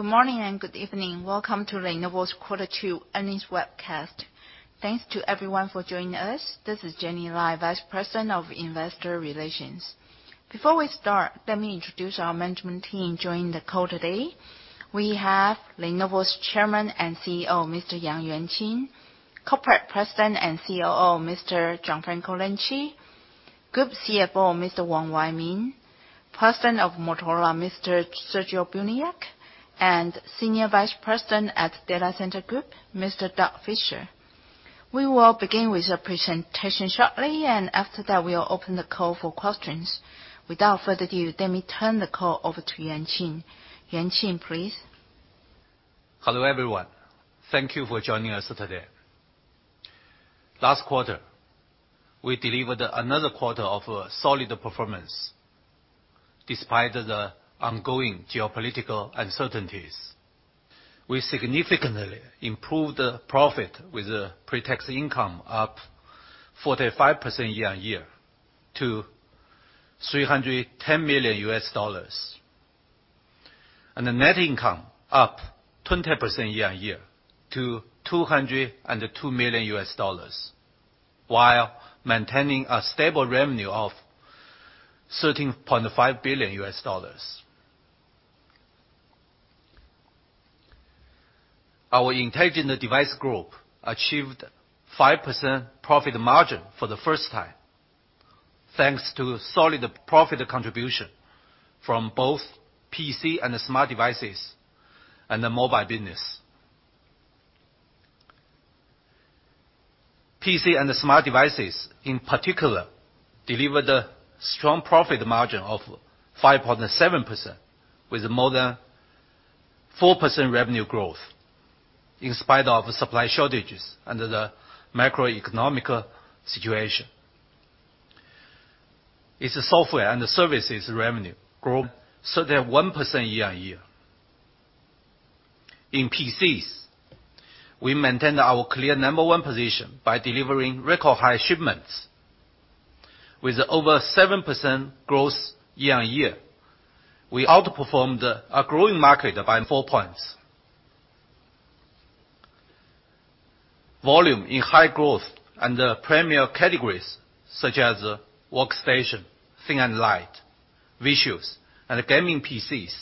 Good morning and good evening. Welcome to Lenovo's Quarter Two Earnings Webcast. Thanks to everyone for joining us. This is Jenny Lai, Vice President of Investor Relations. Before we start, let me introduce our management team joining the call today. We have Lenovo's Chairman and CEO, Mr. Yang Yuanqing, Corporate President and COO, Mr. Gianfranco Lanci, Group CFO, Mr. Wong Wai Ming, President of Motorola, Mr. Sergio Buniac, and Senior Vice President at Data Center Group, Mr. Doug Fisher. We will begin with a presentation shortly. After that, we'll open the call for questions. Without further ado, let me turn the call over to Yuanqing. Yuanqing, please. Hello, everyone. Thank you for joining us today. Last quarter, we delivered another quarter of solid performance, despite the ongoing geopolitical uncertainties. We significantly improved the profit with a Pre-Tax Income up 45% year-over-year to $310 million. The net income up 20% year-over-year to $202 million, while maintaining a stable revenue of $13.5 billion. Our Intelligent Devices Group achieved 5% profit margin for the first time, thanks to solid profit contribution from both PC and the smart devices, and the mobile business. PC and the smart devices, in particular, delivered a strong profit margin of 5.7% with more than 4% revenue growth in spite of supply shortages and the macroeconomic situation. Its software and the services revenue grew 31% year-over-year. In PCs, we maintained our clear number one position by delivering record high shipments with over 7% growth year-over-year. We outperformed a growing market by four points. Volume in high growth and the premier categories such as workstation, Thin and Light, Visuals, and gaming PCs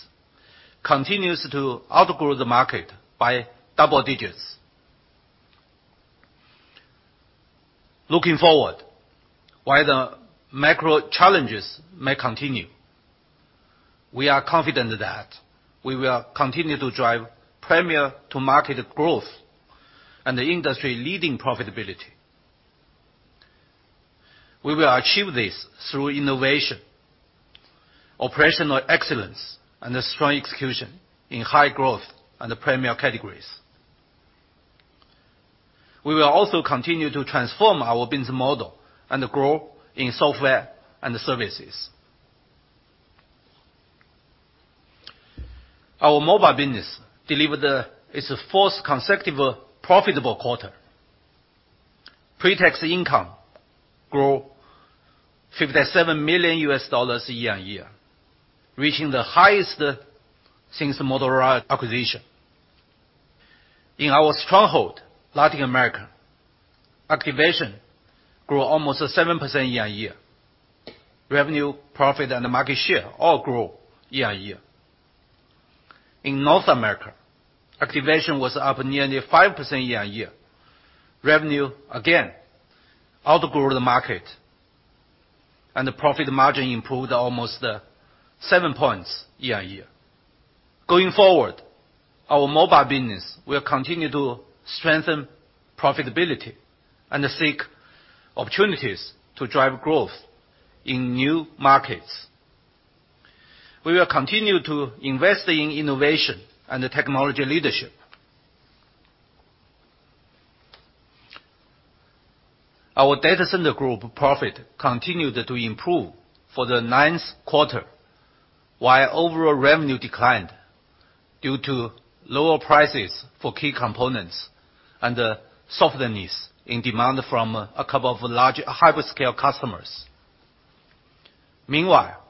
continues to outgrow the market by double digits. Looking forward, while the macro challenges may continue, we are confident that we will continue to drive premier-to-market growth and the industry-leading profitability. We will achieve this through innovation, operational excellence, and a strong execution in high growth and the premier categories. We will also continue to transform our business model and grow in software and services. Our mobile business delivered its fourth consecutive profitable quarter. Pre-Tax Income grew $57 million year-on-year, reaching the highest since Motorola acquisition. In our stronghold, Latin America, activation grew almost 7% year-on-year. Revenue, profit, and market share all grew year-on-year. In North America, activation was up nearly 5% year-on-year. Revenue, again, outgrew the market, and the profit margin improved almost 7 points year-on-year. Going forward, our mobile business will continue to strengthen profitability and seek opportunities to drive growth in new markets. We will continue to invest in innovation and the technology leadership. Our Data Center Group profit continued to improve for the ninth quarter, while overall revenue declined due to lower prices for key components and a softness in demand from a couple of large hyperscale customers. Meanwhile,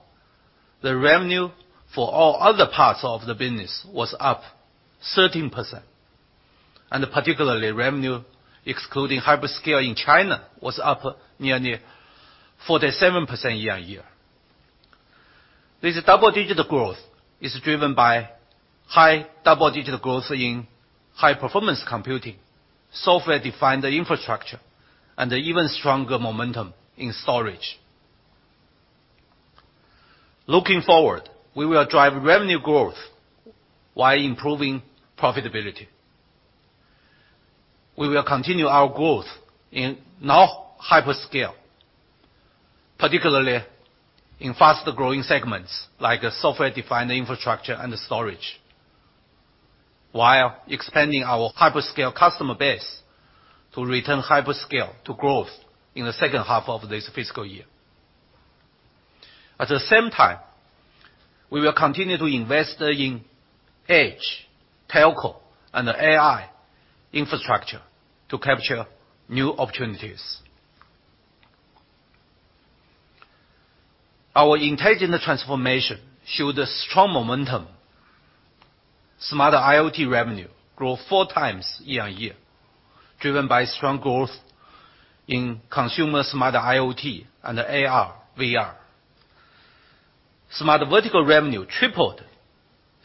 the revenue for all other parts of the business was up 13%, and particularly revenue excluding hyperscale in China was up nearly 47% year-on-year. This double-digit growth is driven by high double-digit growth in high performance computing, software-defined infrastructure, and even stronger momentum in storage. Looking forward, we will drive revenue growth while improving profitability. We will continue our growth in hyperscale, particularly in fast-growing segments like software-defined infrastructure and storage, while expanding our hyperscale customer base to return hyperscale to growth in the second half of this fiscal year. At the same time, we will continue to invest in edge, telco, and AI infrastructure to capture new opportunities. Our Intelligent Transformation showed a strong momentum. Smart IoT revenue grew four times year-on-year, driven by strong growth in consumer Smart IoT and AR/VR. Smart Vertical revenue tripled,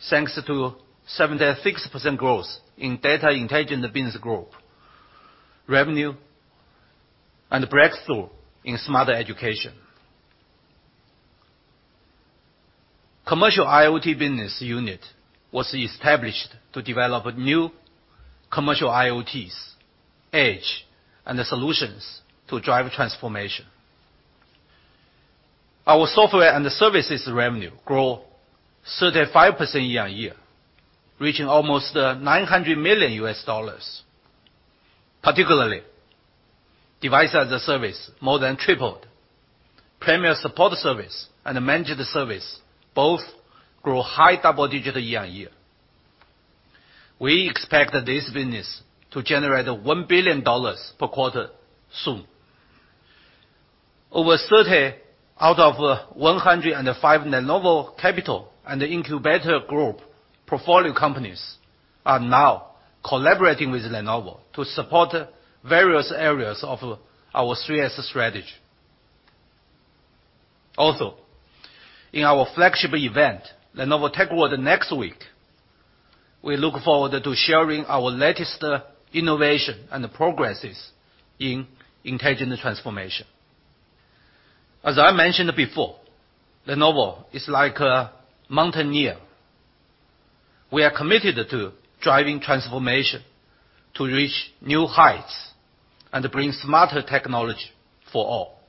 thanks to 76% growth in data intelligent business growth, revenue, and breakthrough in smarter education. Commercial IoT business unit was established to develop new commercial IoTs, edge, and the solutions to drive transformation. Our software and the services revenue grow 35% year-on-year, reaching almost $900 million. Particularly, Device as a Service more than tripled. Premier support service and managed service both grew high double digits year-on-year. We expect this business to generate $1 billion per quarter soon. Over 30 out of 105 Lenovo Capital and Incubator Group portfolio companies are now collaborating with Lenovo to support various areas of our 3S strategy. Also, in our flagship event, Lenovo Tech World next week, we look forward to sharing our latest innovation and progresses in intelligent transformation. As I mentioned before, Lenovo is like a mountaineer. We are committed to driving transformation to reach new heights and bring smarter technology for all.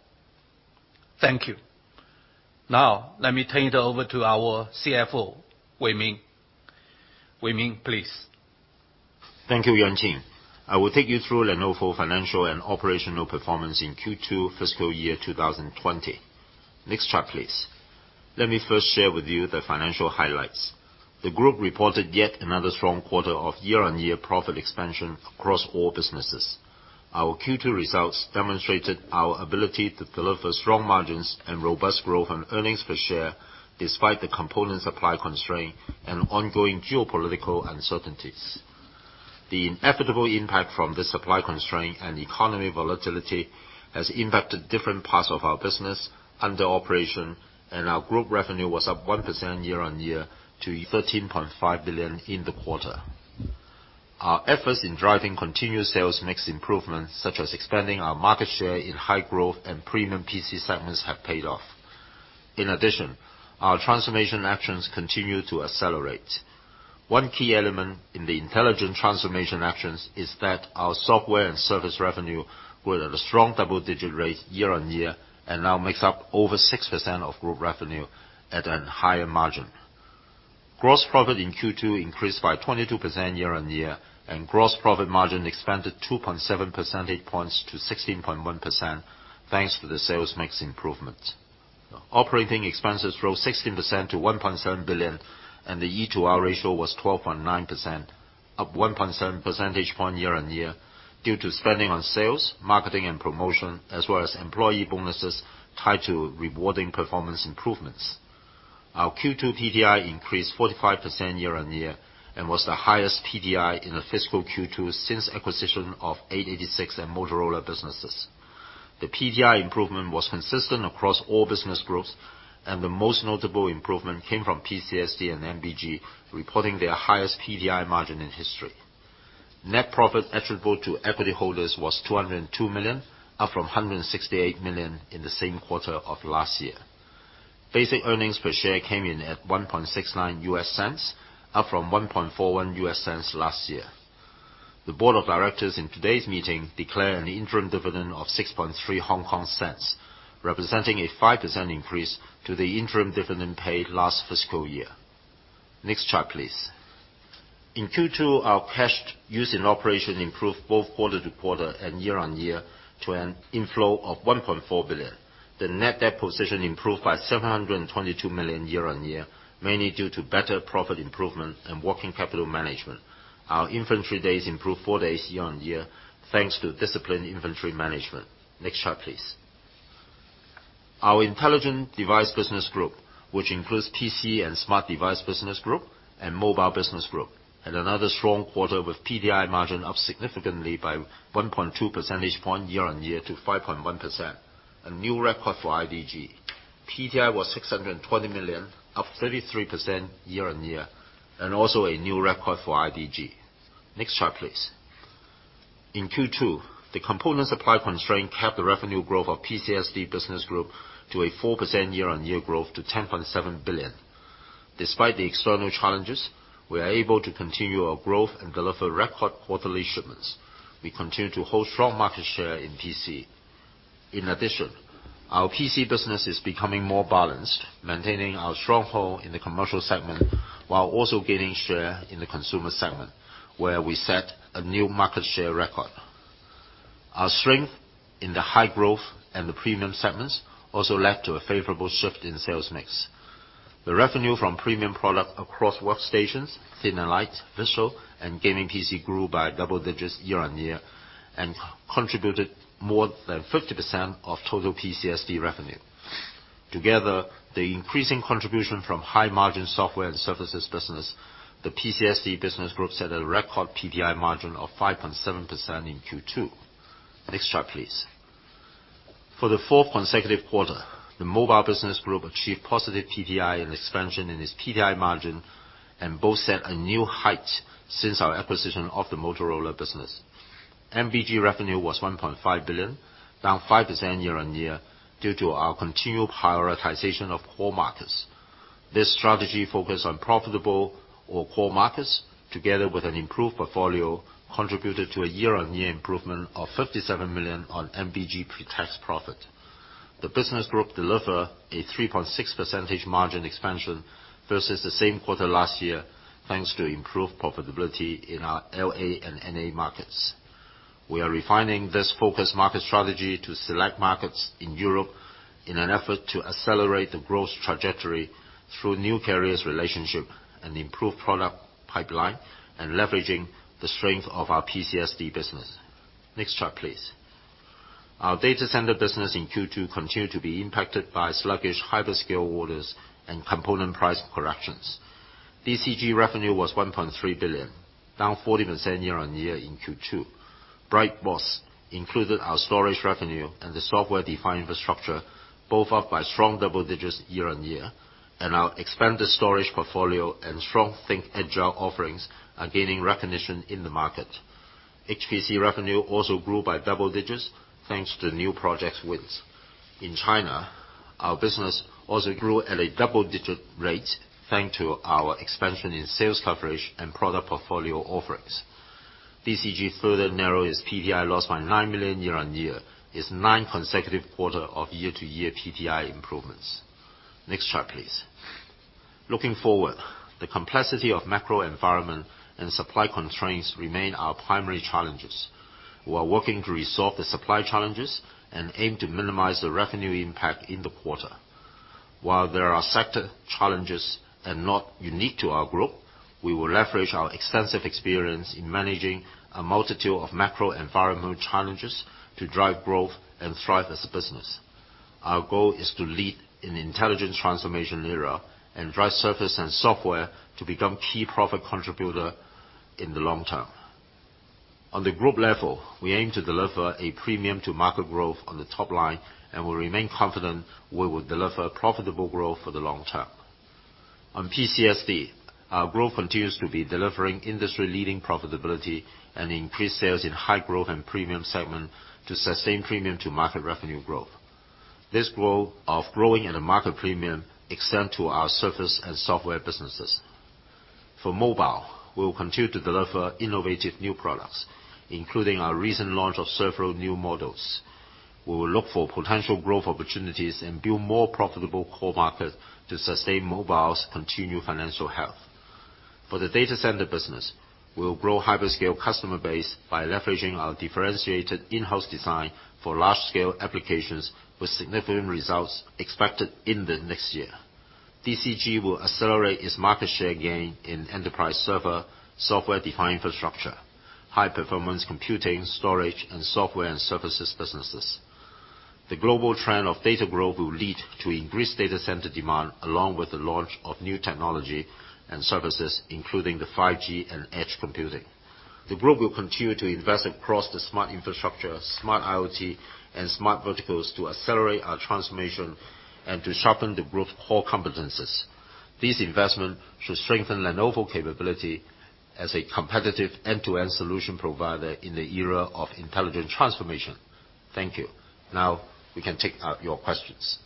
Thank you. Now, let me turn it over to our CFO, Wai Ming. Wai Ming, please. Thank you, Yuanqing. I will take you through Lenovo financial and operational performance in Q2 fiscal year 2020. Next chart, please. Let me first share with you the financial highlights. The group reported yet another strong quarter of year-on-year profit expansion across all businesses. Our Q2 results demonstrated our ability to deliver strong margins and robust growth on earnings per share, despite the component supply constraint and ongoing geopolitical uncertainties. The inevitable impact from this supply constraint and economy volatility has impacted different parts of our business under operation, and our group revenue was up 1% year-on-year to $13.5 billion in the quarter. Our efforts in driving continuous sales mix improvements, such as expanding our market share in high growth and premium PC segments, have paid off. In addition, our transformation actions continue to accelerate. One key element in the intelligent transformation actions is that our software and service revenue grew at a strong double-digit rate year-on-year, and now makes up over 6% of group revenue at a higher margin. Gross profit in Q2 increased by 22% year-on-year, and gross profit margin expanded 2.7 percentage points to 16.1%, thanks to the sales mix improvements. Operating expenses rose 16% to $1.7 billion, and the E/R ratio was 12.9%, up 1.7 percentage point year-on-year, due to spending on sales, marketing, and promotion, as well as employee bonuses tied to rewarding performance improvements. Our Q2 PDI increased 45% year-on-year and was the highest PDI in the fiscal Q2 since acquisition of x86 and Motorola businesses. The PDI improvement was consistent across all business groups, and the most notable improvement came from PCSD and MBG, reporting their highest PDI margin in history. Net profit attributable to equity holders was $202 million, up from $168 million in the same quarter of last year. Basic earnings per share came in at $0.0169, up from $0.0141 last year. The board of directors in today's meeting declare an interim dividend of 0.063, representing a 5% increase to the interim dividend paid last fiscal year. Next chart, please. In Q2, our cash use in operation improved both quarter-to-quarter and year-on-year to an inflow of $1.4 billion. The net debt position improved by $722 million year-on-year, mainly due to better profit improvement and working capital management. Our inventory days improved four days year-on-year, thanks to disciplined inventory management. Next chart, please. Our Intelligent Devices Group, which includes PCSD business group and MBG, had another strong quarter with PTI margin up significantly by 1.2 percentage point year-on-year to 5.1%, a new record for IDG. PTI was $620 million, up 33% year-on-year, and also a new record for IDG. Next chart, please. In Q2, the component supply constraint capped the revenue growth of PCSD business group to a 4% year-on-year growth to $10.7 billion. Despite the external challenges, we are able to continue our growth and deliver record quarterly shipments. We continue to hold strong market share in PC. Our PC business is becoming more balanced, maintaining our stronghold in the commercial segment while also gaining share in the consumer segment, where we set a new market share record. Our strength in the high growth and the premium segments also led to a favorable shift in sales mix. The revenue from premium product across workstations, Thin and Light, Visuals, and gaming PC grew by double digits year-on-year and contributed more than 50% of total PCSD revenue. Together, the increasing contribution from high-margin software and services business, the PCSD business group set a record PDI margin of 5.7% in Q2. Next chart, please. For the fourth consecutive quarter, the mobile business group achieved positive PDI and expansion in its PDI margin, and both set a new height since our acquisition of the Motorola business. MBG revenue was $1.5 billion, down 5% year-on-year, due to our continued prioritization of core markets. This strategy focus on profitable or core markets, together with an improved portfolio, contributed to a year-on-year improvement of $57 million on MBG pre-tax profit. The business group deliver a 3.6% margin expansion versus the same quarter last year, thanks to improved profitability in our L.A. and N.A. markets. We are refining this focused market strategy to select markets in Europe in an effort to accelerate the growth trajectory through new carriers relationship and improved product pipeline, leveraging the strength of our PCSD business. Next chart, please. Our data center business in Q2 continued to be impacted by sluggish hyperscale orders and component price corrections. DCG revenue was $1.3 billion, down 40% year-on-year in Q2. Bright spots included our storage revenue and the software-defined infrastructure, both up by strong double digits year-on-year. Our expanded storage portfolio and strong ThinkAgile offerings are gaining recognition in the market. HPC revenue also grew by double digits, thanks to new projects wins. In China, our business also grew at a double-digit rate, thanks to our expansion in sales coverage and product portfolio offerings. DCG further narrow its PDI loss by $9 million year-on-year, its nine consecutive quarter of year-to-year PDI improvements. Next chart, please. Looking forward, the complexity of macro environment and supply constraints remain our primary challenges. We are working to resolve the supply challenges and aim to minimize the revenue impact in the quarter. While there are sector challenges and not unique to our group, we will leverage our extensive experience in managing a multitude of macro environment challenges to drive growth and thrive as a business. Our goal is to lead in intelligent transformation era and drive service and software to become key profit contributor in the long term. On the group level, we aim to deliver a premium to market growth on the top line and will remain confident we will deliver profitable growth for the long term. On PCSD, our growth continues to be delivering industry-leading profitability and increased sales in high growth and premium segment to sustain premium to market revenue growth. This goal of growing at a market premium extend to our service and software businesses. For mobile, we will continue to deliver innovative new products, including our recent launch of several new models. We will look for potential growth opportunities and build more profitable core markets to sustain mobile's continued financial health. For the data center business, we will grow hyperscale customer base by leveraging our differentiated in-house design for large-scale applications with significant results expected in the next year. DCG will accelerate its market share gain in enterprise server, software-defined infrastructure, high performance computing, storage, and software and services businesses. The global trend of data growth will lead to increased data center demand, along with the launch of new technology and services, including the 5G and edge computing. The group will continue to invest across the Smart Infrastructure, Smart IoT, and Smart Verticals to accelerate our transformation and to sharpen the group's core competencies. This investment should strengthen Lenovo capability as a competitive end-to-end solution provider in the era of intelligent transformation. Thank you. Now, we can take your questions.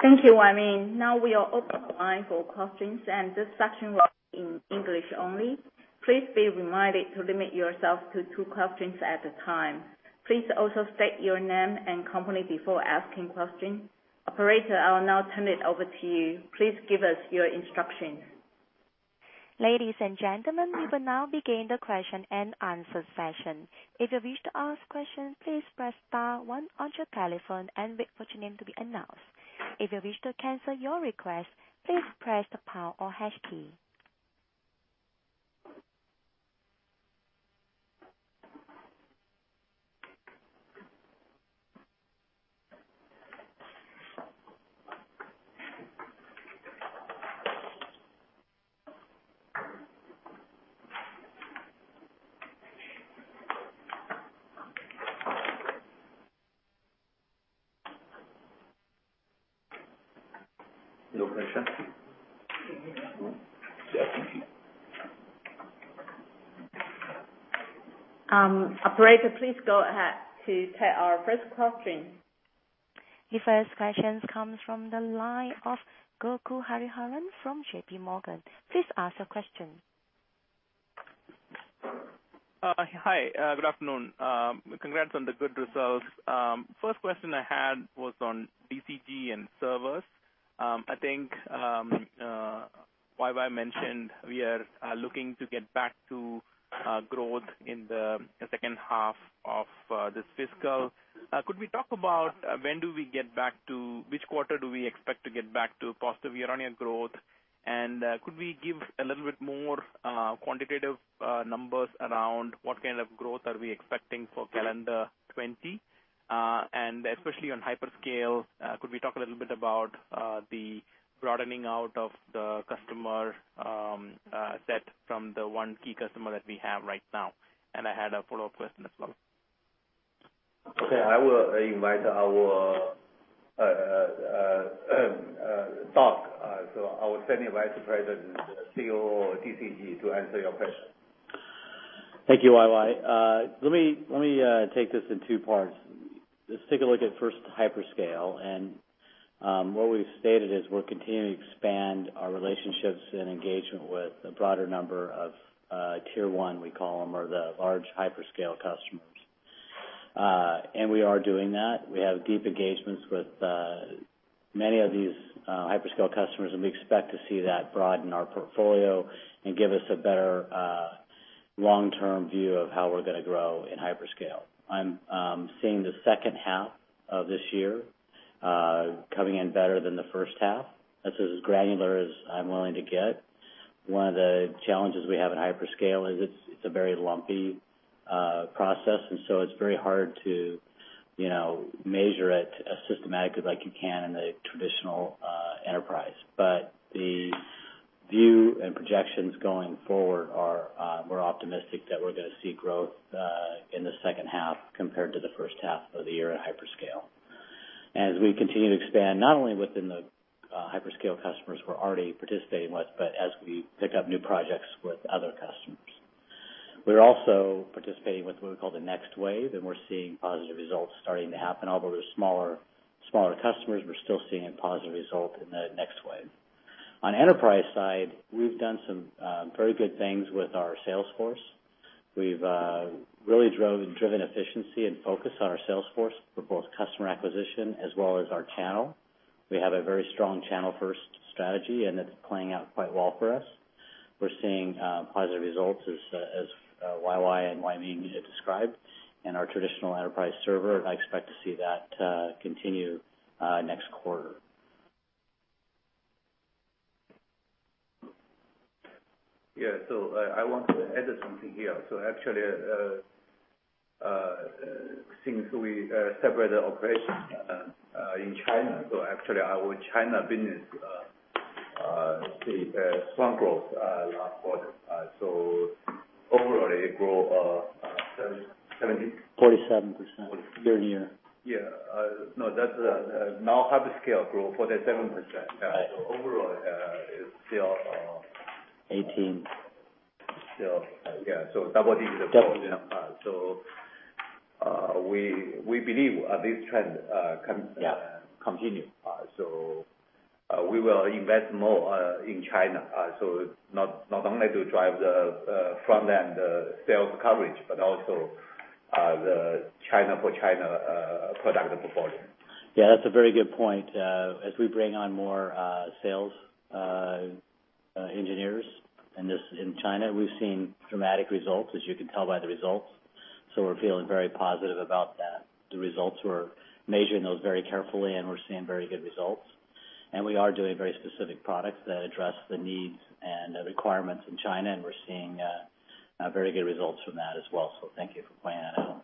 Thank you, Wai Ming. Now we are open line for questions. This section will be in English only. Please be reminded to limit yourself to two questions at a time. Please also state your name and company before asking question. Operator, I will now turn it over to you. Please give us your instructions. Ladies and gentlemen, we will now begin the question and answer session. If you wish to ask questions, please press star one on your telephone and wait for your name to be announced. If you wish to cancel your request, please press the pound or hash key. No question? Operator, please go ahead to take our first question. The first question comes from the line of Gokul Hariharan from J.P. Morgan. Please ask your question. Hi. Good afternoon. Congrats on the good results. First question I had was on DCG and servers. I think, YY mentioned we are looking to get back to growth in the second half of this fiscal. Could we talk about when do we get back to, which quarter do we expect to get back to positive year-on-year growth? Could we give a little bit more quantitative numbers around what kind of growth are we expecting for calendar 2020? Especially on hyperscale, could we talk a little bit about the broadening out of the customer set from the one key customer that we have right now? I had a follow-up question as well. Okay. I will invite our Doug, so our Senior Vice President and COO, DCG, to answer your question. Thank you, YY. Let me take this in two parts. Let's take a look at first hyperscale. What we've stated is we're continuing to expand our relationships and engagement with a broader number of tier 1, we call them, or the large hyperscale customers. We are doing that. We have deep engagements with many of these hyperscale customers, and we expect to see that broaden our portfolio and give us a better long-term view of how we're going to grow in hyperscale. I'm seeing the second half of this year coming in better than the first half. That's as granular as I'm willing to get. One of the challenges we have in hyperscale is it's a very lumpy process, and so it's very hard to measure it as systematically like you can in a traditional enterprise. The view and projections going forward are more optimistic that we're going to see growth in the second half compared to the first half of the year at hyperscale. We continue to expand, not only within the hyperscale customers we're already participating with, but as we pick up new projects with other customers. We're also participating with what we call the NextWave, we're seeing positive results starting to happen. Although they're smaller customers, we're still seeing a positive result in the NextWave. On enterprise side, we've done some very good things with our sales force. We've really driven efficiency and focus on our sales force for both customer acquisition as well as our channel. We have a very strong channel-first strategy, it's playing out quite well for us. We're seeing positive results as YY and Wai Ming described. Our traditional enterprise server, I expect to see that continue next quarter. Yeah. I want to add something here. Actually, since we separated operations in China, so actually our China business had strong growth last quarter. Overall, it grow 70 47%. 47. Year-on-year. Yeah. No, now hyperscale grow 47%. 18. Still, yeah. Double digits growth. We believe this trend continue. We will invest more in China. Not only to drive the front-end sales coverage, but also the China for China product portfolio. Yeah, that's a very good point. As we bring on more sales engineers in China, we've seen dramatic results, as you can tell by the results. We're feeling very positive about the results. We're measuring those very carefully, and we're seeing very good results. We are doing very specific products that address the needs and the requirements in China, and we're seeing very good results from that as well. Thank you for pointing that out.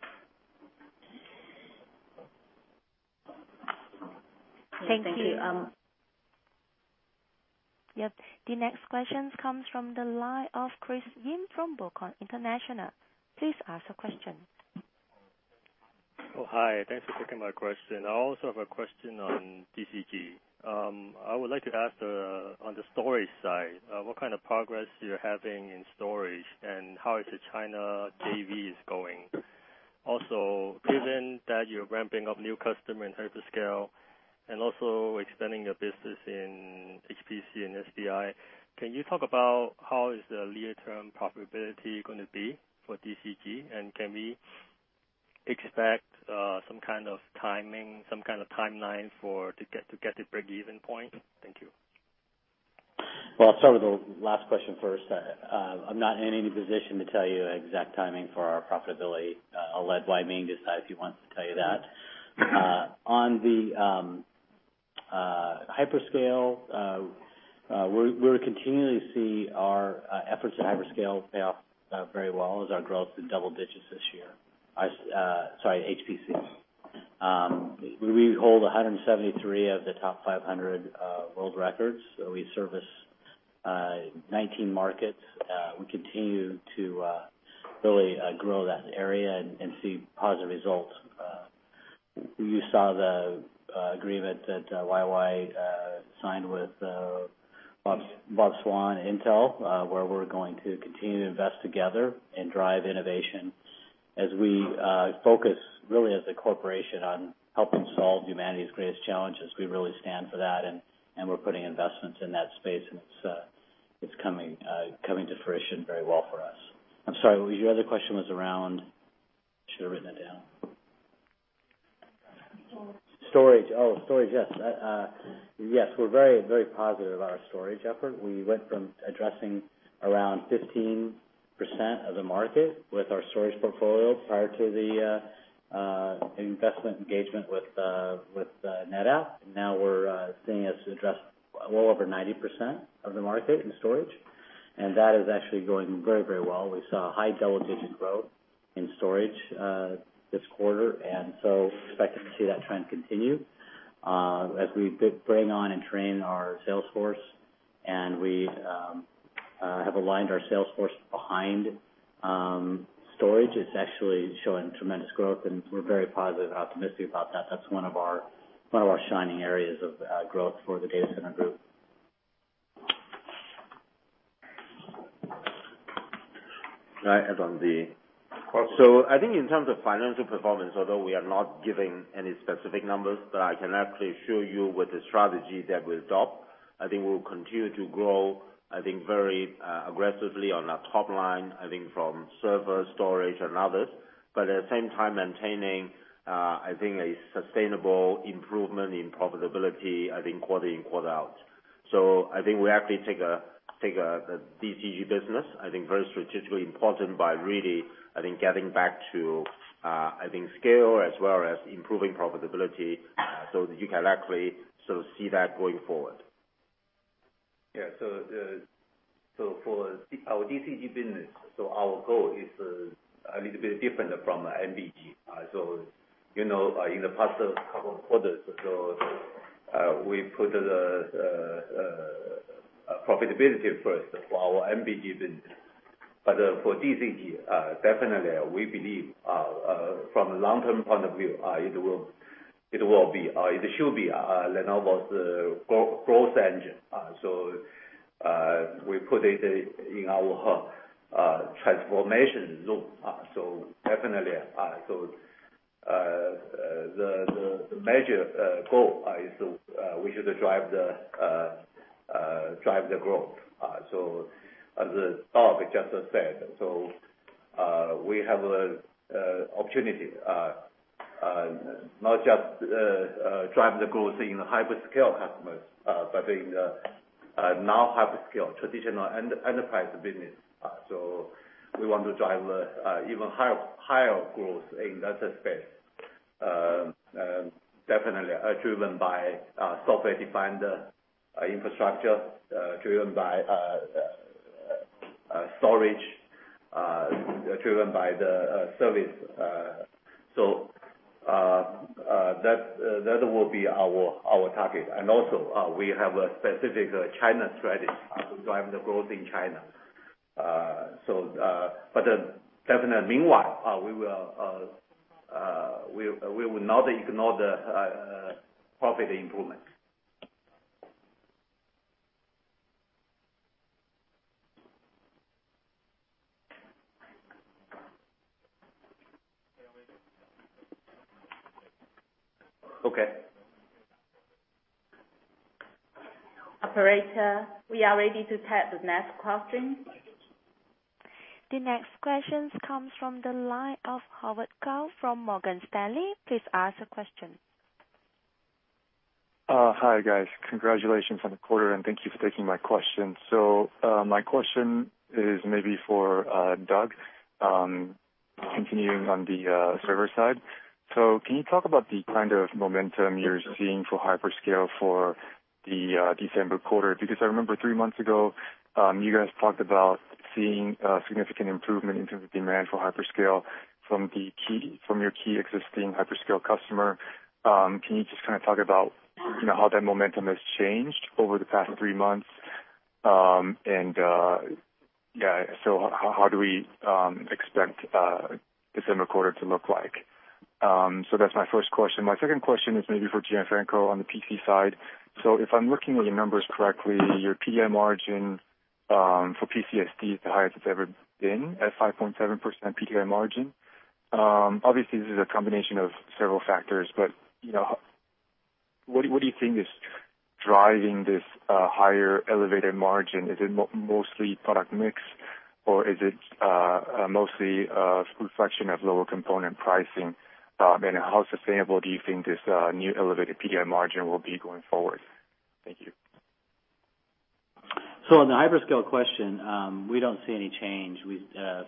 Thank you. Thank you. Yep. The next question comes from the line of Chris Yim from BOCOM International. Please ask a question. Oh, hi. Thanks for taking my question. I also have a question on DCG. I would like to ask on the storage side, what kind of progress you're having in storage, and how is the China JVs going? Given that you're ramping up new customer in hyperscale and also expanding your business in HPC and SDI, can you talk about how is the leader term profitability going to be for DCG? Can we expect some kind of timeline to get to breakeven point? Thank you. I'll start with the last question first. I'm not in any position to tell you exact timing for our profitability. I'll let Wai Ming decide if he wants to tell you that. On the hyperscale, we're continuing to see our efforts in hyperscale pay off very well as our growth in double digits this year. Sorry, HPC. We hold 173 of the top 500 world records. We service 19 markets. We continue to really grow that area and see positive results. You saw the agreement that YY signed with Bob Swan Intel, where we're going to continue to invest together and drive innovation as we focus, really as a corporation, on helping solve humanity's greatest challenges. We really stand for that, we're putting investments in that space, and it's coming to fruition very well for us. I'm sorry, your other question was around Should've written it down. Storage. Storage. Oh, storage. Yes. We're very positive about our storage effort. We went from addressing around 15% of the market with our storage portfolio prior to the investment engagement with NetApp. Now we're seeing us address well over 90% of the market in storage, and that is actually going very well. We saw high double-digit growth in storage this quarter. We expect to see that trend continue as we bring on and train our sales force, and we have aligned our sales force behind storage. It's actually showing tremendous growth, and we're very positive and optimistic about that. That's one of our shining areas of growth for the Data Center Group. Can I add on the. Of course. I think in terms of financial performance, although we are not giving any specific numbers, but I can actually show you with the strategy that we adopt, I think we will continue to grow very aggressively on our top line, I think from server storage and others. At the same time maintaining, I think a sustainable improvement in profitability, I think quarter in, quarter out. I think we actually take the DCG business, I think very strategically important by really, I think getting back to scale as well as improving profitability so that you can actually sort of see that going forward. Yeah. For our DCG business, our goal is a little bit different from MBG. In the past couple of quarters, we put the profitability first for our MBG business. For DCG, definitely, we believe from a long-term point of view, it should be Lenovo's growth engine. We put it in our transformation zone. Definitely, the major goal is we should drive the growth. As Doug just said, we have an opportunity, not just drive the growth in the hyperscale customers, but in the non-hyperscale traditional enterprise business. We want to drive even higher growth in that space. Definitely are driven by software-defined infrastructure, driven by storage, driven by the service. That will be our target. Also, we have a specific China strategy to drive the growth in China. Definitely meanwhile, we will not ignore the profit improvement. Okay. Operator, we are ready to take the next question. The next question comes from the line of Howard Kao from Morgan Stanley. Please ask the question. Hi, guys. Congratulations on the quarter, and thank you for taking my question. My question is maybe for Doug, continuing on the server side. Can you talk about the kind of momentum you're seeing for hyperscale for the December quarter? Because I remember three months ago, you guys talked about seeing a significant improvement in terms of demand for hyperscale from your key existing hyperscale customer. Can you just kind of talk about how that momentum has changed over the past three months? How do we expect December quarter to look like? That's my first question. My second question is maybe for Gianfranco on the PC side. If I'm looking at your numbers correctly, your PTI margin for PCSD is the highest it's ever been at 5.7% PTI margin. Obviously, this is a combination of several factors, but what do you think is driving this higher elevated margin? Is it mostly product mix, or is it mostly a reflection of lower component pricing? How sustainable do you think this new elevated PTI margin will be going forward? Thank you. On the hyperscale question, we don't see any change.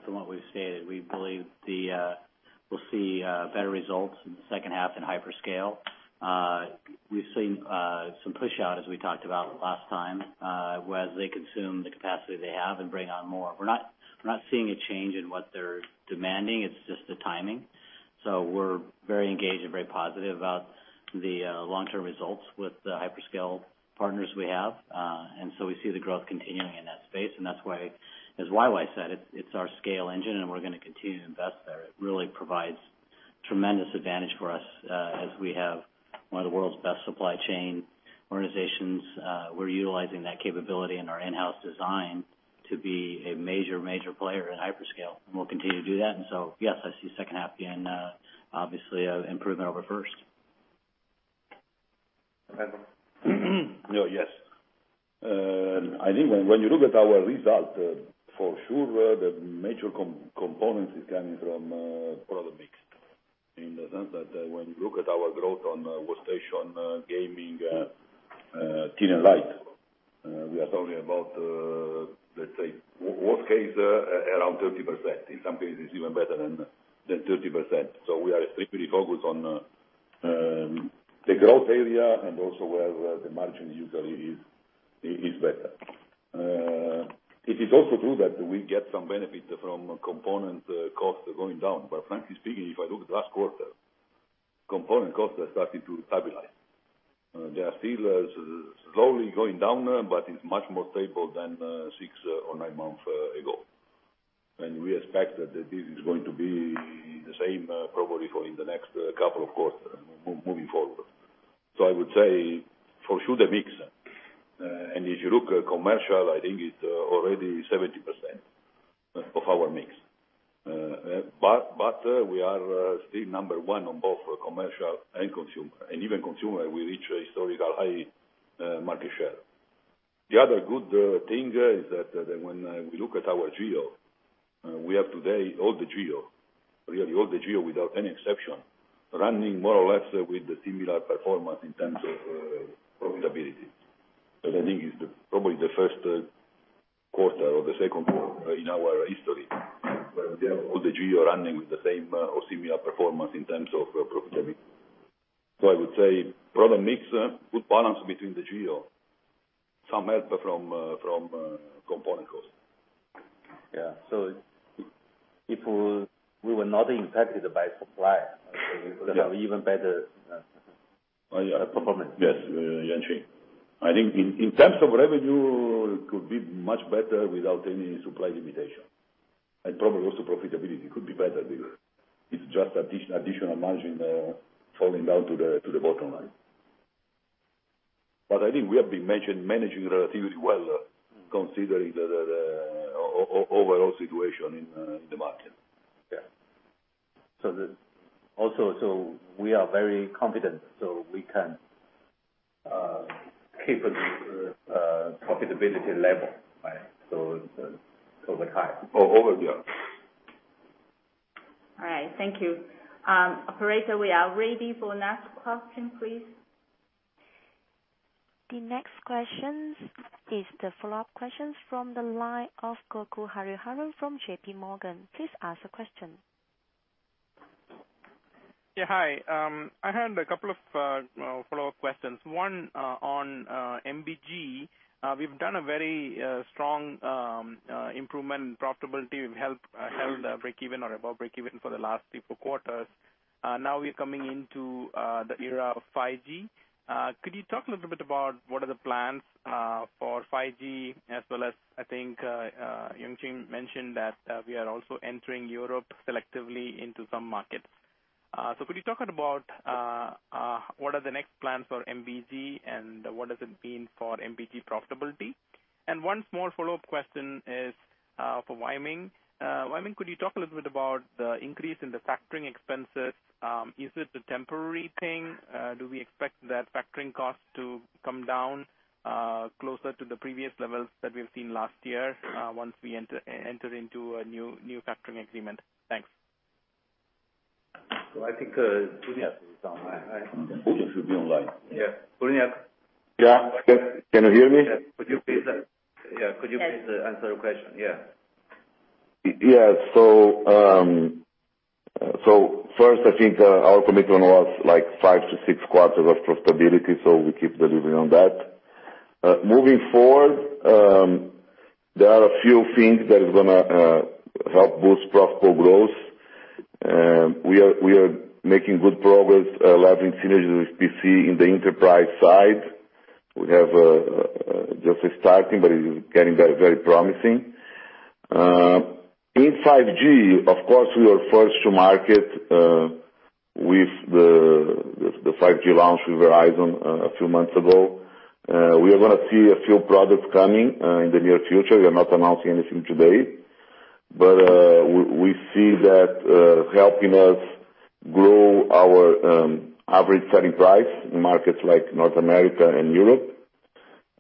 From what we've stated, we believe we'll see better results in the second half in hyperscale. We've seen some pushout, as we talked about last time, whereas they consume the capacity they have and bring on more. We're not seeing a change in what they're demanding. It's just the timing. We're very engaged and very positive about the long-term results with the hyperscale partners we have. We see the growth continuing in that space, and that's why, as YY said, it's our scale engine, and we're going to continue to invest there. It really provides tremendous advantage for us, as we have one of the world's best supply chain organizations. We're utilizing that capability in our in-house design to be a major player in hyperscale, and we'll continue to do that. Yes, I see second half being obviously an improvement over first. Yes. I think when you look at our result, for sure, the major component is coming from product mix. In the sense that when you look at our growth on workstation, gaming, Thin and Light, we are talking about, let's say, worst case, around 30%. In some cases, even better than 30%. We are strictly focused on the growth area and also where the margin usually is better. It is also true that we get some benefit from component cost going down. Frankly speaking, if I look last quarter, component cost has started to stabilize. They are still slowly going down, but it's much more stable than six or nine months ago. We expect that this is going to be the same probably for in the next couple of quarters moving forward. I would say for sure the mix. If you look at commercial, I think it's already 70% of our mix. We are still number one on both commercial and consumer. Even consumer, we reach a historical high market share. The other good thing is that when we look at our geo, we have today all the geo, really all the geo without any exception, running more or less with the similar performance in terms of profitability. I think it's probably the first quarter or the second quarter in our history, where we have all the geo running with the same or similar performance in terms of profitability. I would say product mix, good balance between the geo. Some help from component cost. Yeah. If we were not impacted by supplier, we could have even better performance. Yes, Yuanqing. I think in terms of revenue, it could be much better without any supply limitation. Probably also profitability could be better because it's just additional margin falling down to the bottom line. I think we have been managing relatively well, considering the overall situation in the market. Also, so we are very confident, so we can keep a good profitability level, right? Over time. Over the year. All right. Thank you. Operator, we are ready for next question, please. The next question is the follow-up question from the line of Gokul Hariharan from J.P. Morgan. Please ask the question. Hi. I had a couple of follow-up questions. One on MBG. We've done a very strong improvement in profitability. We've held breakeven or above breakeven for the last three, four quarters. We are coming into the era of 5G. Could you talk a little bit about what are the plans for 5G, as well as, I think Yuanqing mentioned that we are also entering Europe selectively into some markets. Could you talk about what are the next plans for MBG and what does it mean for MBG profitability? One small follow-up question is for Wai Ming. Wai Ming, could you talk a little bit about the increase in the factoring expenses? Is it a temporary thing? Do we expect that factoring cost to come down closer to the previous levels that we've seen last year once we enter into a new factoring agreement? Thanks. I think Buniac is on. Buniac should be online. Yeah. Sergio Buniac? Yeah. Can you hear me? Yeah. Could you please answer the question? Yeah. Yes. First, I think our commitment was five to six quarters of profitability, so we keep delivering on that. Moving forward, there are a few things that is going to help boost profitable growth. We are making good progress leveraging synergies with PC in the enterprise side. We have just starting, but it is getting very promising. In 5G, of course, we are first to market with the 5G launch with Verizon a few months ago. We are going to see a few products coming in the near future. We are not announcing anything today. We see that helping us grow our average selling price in markets like North America and Europe.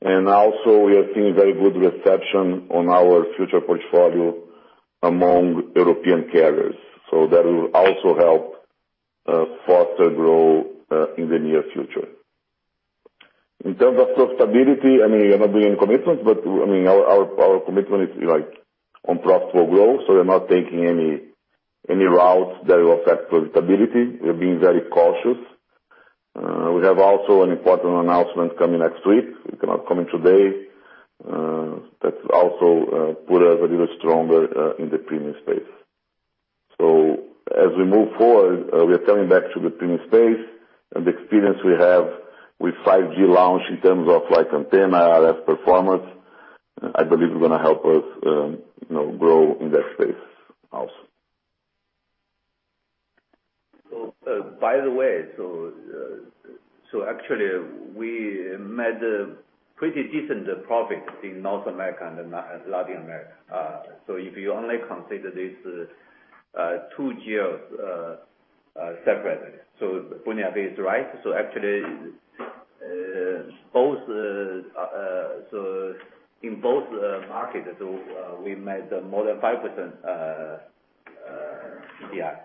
Also, we are seeing very good reception on our future portfolio among European carriers. That will also help foster growth in the near future. In terms of profitability, I mean, we are not giving any commitments, but our commitment is on profitable growth, so we're not taking any routes that will affect profitability. We're being very cautious. We have also an important announcement coming next week. We cannot comment today. That also put us a little stronger in the premium space. As we move forward, we are coming back to the premium space, and the experience we have with 5G launch in terms of antenna, RF performance, I believe is going to help us grow in that space also. By the way, actually. Made a pretty decent profit in North America and Latin America. If you only consider these two geos separately. When you have this right, so actually in both markets, we made more than 5% PDI.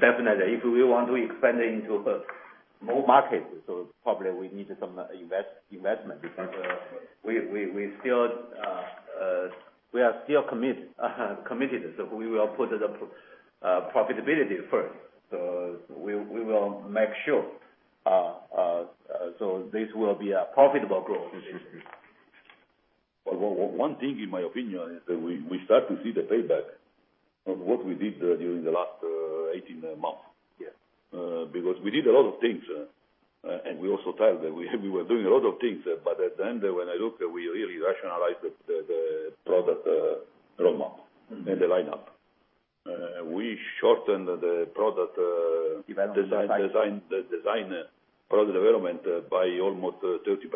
Definitely if we want to expand into more markets, so probably we need some investment. Because we are still committed, so we will put the profitability first. We will make sure this will be a profitable growth. One thing in my opinion is that we start to see the payback of what we did during the last 18 months. Yeah. Because we did a lot of things, and we also told that we were doing a lot of things. At the end, when I look, we really rationalized the product roadmap and the lineup. We shortened the product. Development cycle design, product development by almost 30%.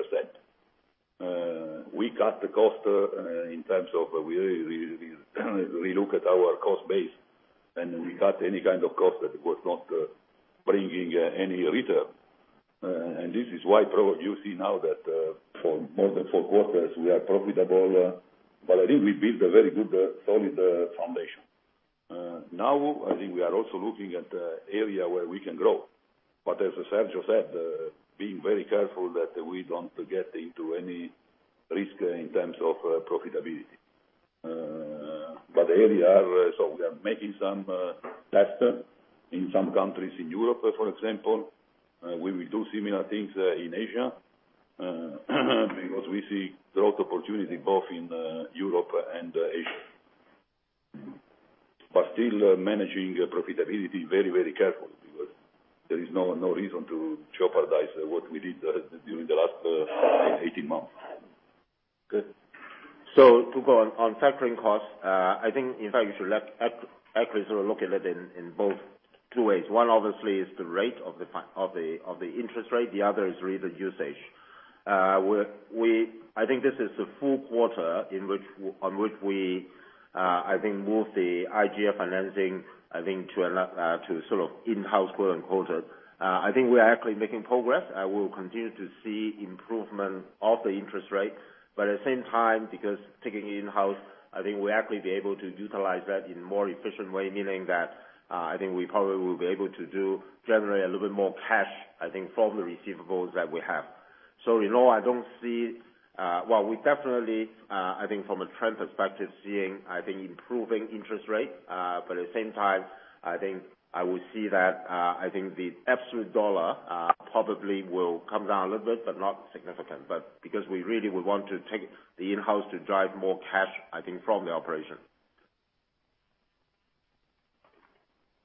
We cut the cost in terms of we relook at our cost base, and we cut any kind of cost that was not bringing any return. This is why probably you see now that for more than four quarters, we are profitable. I think we built a very good, solid foundation. Now, I think we are also looking at the area where we can grow. As Sergio said, being very careful that we don't get into any risk in terms of profitability. We are making some tests in some countries in Europe, for example. We will do similar things in Asia, because we see a lot opportunity both in Europe and Asia. Still managing profitability very carefully because there is no reason to jeopardize what we did during the last 18 months. Good. To go on factoring costs, I think, in fact, you should actually sort of look at it in both two ways. One obviously is the rate of the interest rate, the other is really the usage. I think this is the full quarter on which we, I think, moved the IDG financing, I think to sort of in-house grow and quarter. I think we are actually making progress. I will continue to see improvement of the interest rate, but at the same time, because taking it in-house, I think we'll actually be able to utilize that in more efficient way, meaning that, I think we probably will be able to do generate a little bit more cash, I think, from the receivables that we have. In all, Well we definitely, I think from a trend perspective, seeing, I think improving interest rate. At the same time, I think I will see that, I think the absolute dollar probably will come down a little bit, but not significant. Because we really would want to take the in-house to drive more cash, I think, from the operation.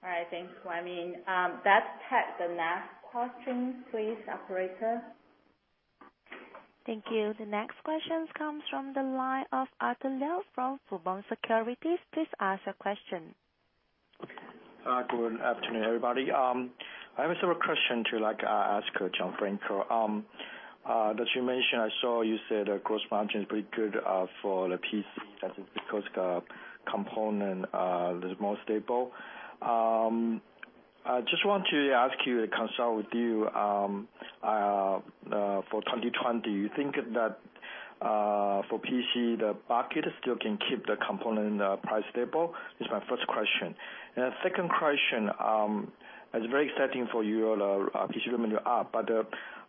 All right. Thanks, Wai Ming. Let's take the next question please, operator. Thank you. The next question comes from the line of Arthur Liao from Fubon Securities. Please ask your question. Good afternoon, everybody. I have a sort of question to ask Gianfranco. As you mentioned, I saw you said gross margin is pretty good for the PC. That is because component is more stable. I just want to ask you a concern with you for 2020. You think that for PC, the bucket still can keep the component price stable? This is my first question. Second question, it's very exciting for you, PC revenue are up.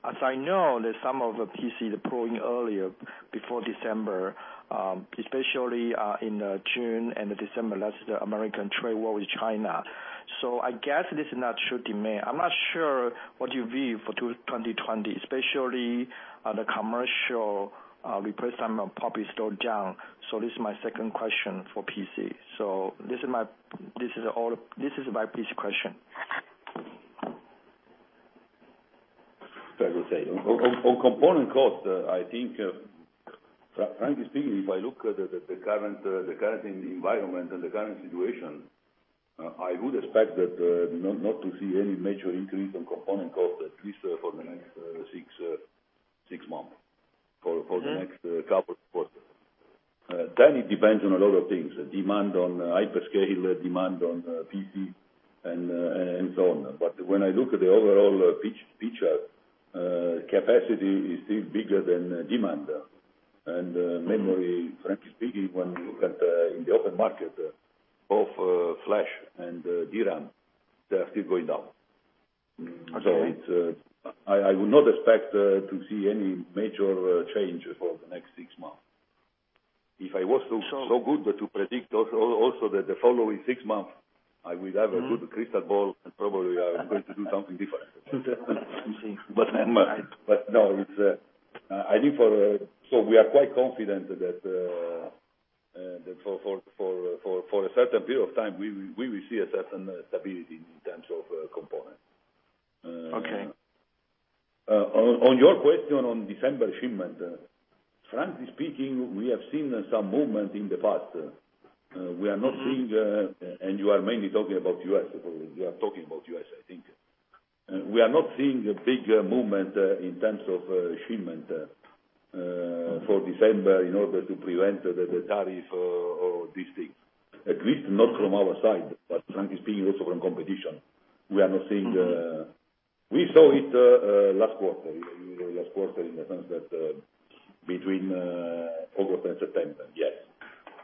As I know that some of the PC deploying earlier, before December, especially in June and December. That's the American trade war with China. I guess this is not short demand. I'm not sure what you view for 2020, especially the commercial replacement probably slowed down. This is my second question for PC. This is my PC question. As I said, on component cost, I think, frankly speaking, if I look at the current environment and the current situation, I would expect not to see any major increase on component cost, at least for the next six months, for the next couple of quarters. It depends on a lot of things, demand on hyperscale, demand on PC, and so on. When I look at the overall picture, capacity is still bigger than demand. Memory, frankly speaking, when you look at in the open market of flash and DRAM, they're still going down. Okay. I would not expect to see any major change for the next six months. If I was so good to predict also the following six months, I will have a good crystal ball and probably I am going to do something different. No, we are quite confident that for a certain period of time, we will see a certain stability in terms of component. Okay. On your question on December shipment, frankly speaking, we have seen some movement in the past. We are not seeing, you are mainly talking about U.S., probably? You are talking about U.S., I think. We are not seeing a big movement in terms of shipment for December in order to prevent the tariff or these things. At least not from our side, but frankly speaking, also from competition, We saw it last quarter in the sense that between October and September, yes.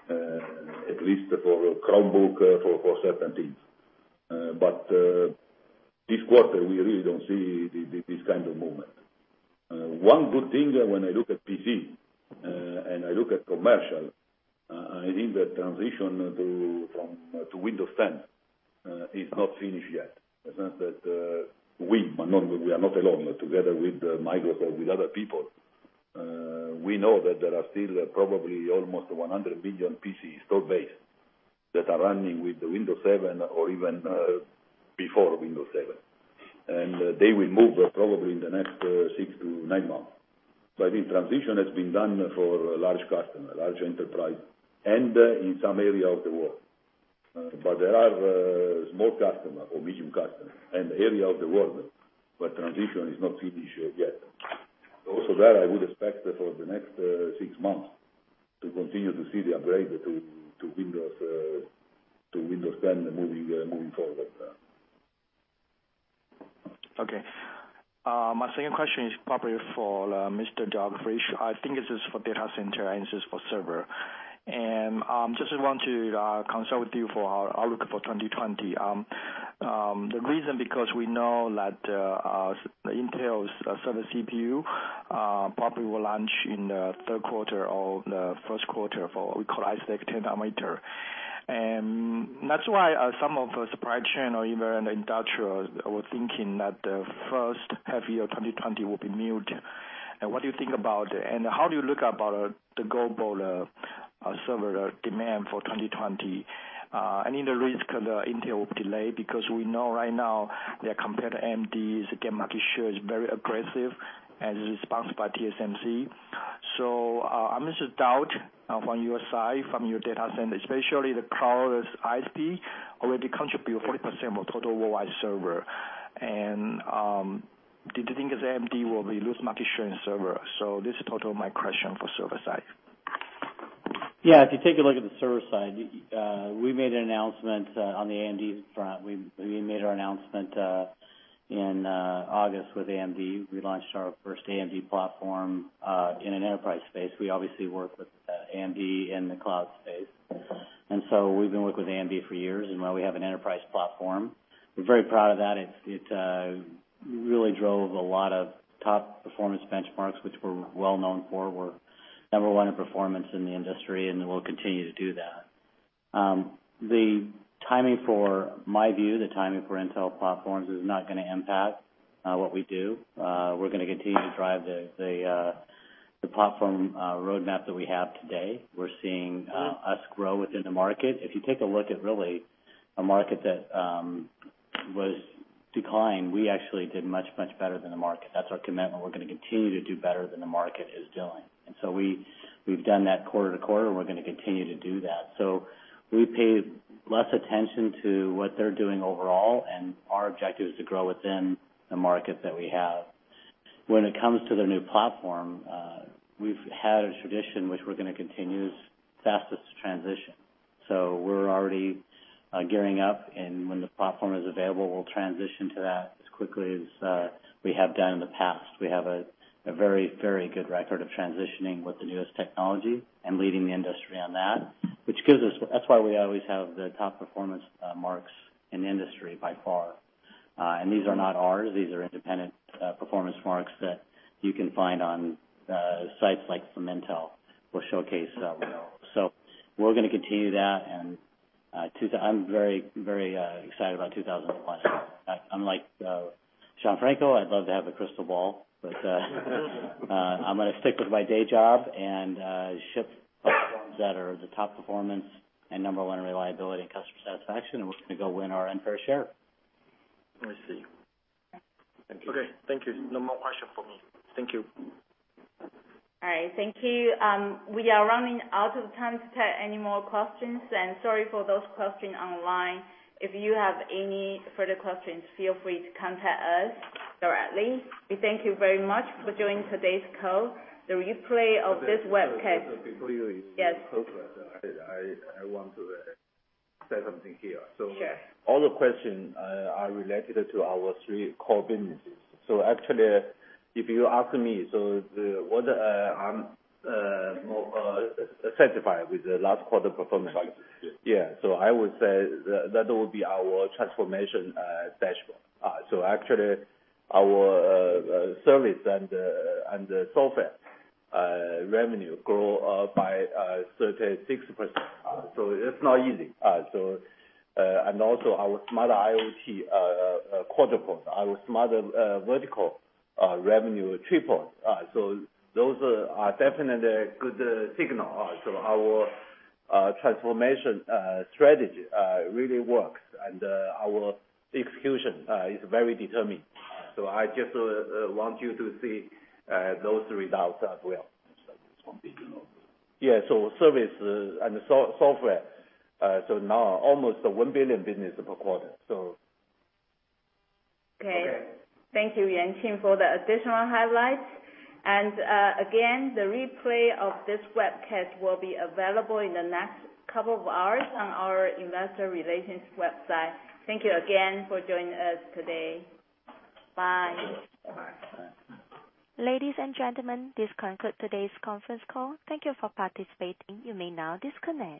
At least for Chromebook, for certain things. This quarter, we really don't see this kind of movement. One good thing when I look at PC, and I look at commercial, I think the transition to Windows 10 is not finished yet. In the sense that we are not alone, together with Microsoft, with other people, we know that there are still probably almost 100 million PCs still based that are running with Windows 7 or even before Windows 7. They will move probably in the next six to nine months. This transition has been done for large customer, large enterprise, and in some area of the world. There are small customer or medium customer and area of the world where transition is not finished yet. Also there, I would expect for the next six months to continue to see the upgrade to Windows 10 moving forward. Okay. My second question is probably for Mr. Doug Fisher. I think this is for data center and this is for server. I just want to consult with you for our outlook for 2020. The reason because we know that Intel's server CPU probably will launch in the third quarter or the first quarter for what we call Ice Lake. That's why some of the supply chain or even the industrials were thinking that the first half year 2020 will be muted. What do you think about, and how do you look about the global server demand for 2020? In the risk Intel will delay because we know right now they compare to AMD's gain market share is very aggressive and is sponsored by TSMC. I miss a doubt from your side, from your data center, especially the cloud CSP already contribute 40% of total worldwide server. Do you think as AMD will lose market share in server? This is total my question for server side. Yeah, if you take a look at the server side, we made an announcement on the AMD front. We made our announcement in August with AMD. We launched our first AMD platform in an enterprise space. We obviously work with AMD in the cloud space. We've been working with AMD for years, and now we have an enterprise platform. We're very proud of that. It really drove a lot of top performance benchmarks, which we're well-known for. We're number one in performance in the industry, and we'll continue to do that. The timing for, my view, the timing for Intel platforms is not going to impact what we do. We're going to continue to drive the platform roadmap that we have today. We're seeing us grow within the market. If you take a look at really a market that was declined, we actually did much, much better than the market. That's our commitment. We're going to continue to do better than the market is doing. We've done that quarter to quarter, and we're going to continue to do that. We pay less attention to what they're doing overall, and our objective is to grow within the market that we have. When it comes to the new platform, we've had a tradition, which we're going to continue, is fastest transition. We're already gearing up, and when the platform is available, we'll transition to that as quickly as we have done in the past. We have a very, very good record of transitioning with the newest technology and leading the industry on that. That's why we always have the top performance marks in the industry by far. These are not ours. These are independent performance marks that you can find on sites like from Intel will showcase that we know. We're going to continue that, and I'm very excited about 2020. Unlike Gianfranco, I'd love to have a crystal ball, but I'm going to stick with my day job and ship platforms that are the top performance and number one in reliability and customer satisfaction, and we're just going to go win our unfair share. I see. Okay. Thank you. No more question from me. Thank you. All right. Thank you. We are running out of time to take any more questions. Sorry for those questioning online. If you have any further questions, feel free to contact us directly. We thank you very much for joining today's call. The replay of this webcast- Before you close that, I want to say something here. Sure. All the questions are related to our three core businesses. Actually, if you ask me, what I'm more satisfied with the last quarter performance. Yeah. I would say that would be our transformation dashboard. Actually our service and software revenue grow by 36%. It's not easy. Also our Smart IoT quadrupled. Our Smart Vertical revenue tripled. Those are definitely a good signal. Our transformation strategy really works, and our execution is very determined. I just want you to see those results as well. Yeah, service and software. Now almost a $1 billion business per quarter. Okay. Thank you, Yuanqing, for the additional highlights. Again, the replay of this webcast will be available in the next couple of hours on our investor relations website. Thank you again for joining us today. Bye. Bye. Ladies and gentlemen, this concludes today's conference call. Thank you for participating. You may now disconnect.